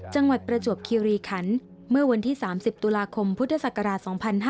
จังหวัดประจวบคิรีขันมือวันที่๓๐ตุลาคมพุทธศักราช๒๕๔๔